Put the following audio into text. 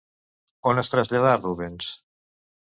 On es traslladà Rubens?